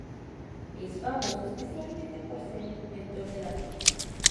Es famoso especialmente por ser el inventor del avión.